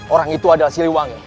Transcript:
orang itu adalah siliwangi